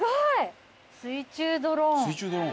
水中ドローン。